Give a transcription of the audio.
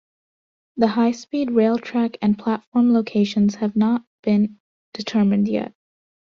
The high-speed rail track and platform locations have not been determined yet.